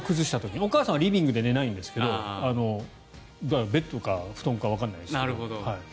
お母さんはリビングで寝ないんですがベッドか布団かわかりませんが。